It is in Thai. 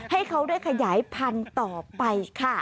ให้เขาได้ขยายพันธุ์ต่อไปค่ะ